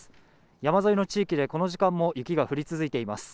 山沿いの地域で、この時間も雪が降り続いています。